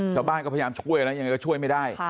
ชาวบ้านก็พยายามช่วยนะยังไงก็ช่วยไม่ได้